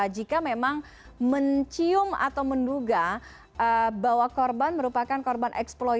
jika memang mencium atau menduga bahwa korban merupakan korban eksploitasi